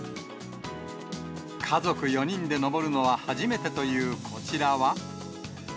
家族４人で登るのは初めてというこちらは。